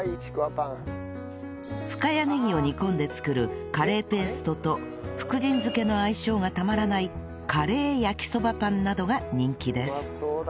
深谷ねぎを煮込んで作るカレーペーストと福神漬けの相性がたまらないカレー焼きそばパンなどが人気です